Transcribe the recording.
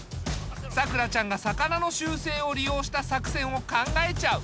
さくらちゃんが魚の習性を利用した作戦を考えちゃう。